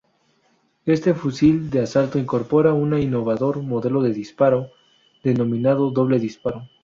Este fusil de asalto incorpora un innovador modo de disparo denominado doble disparo.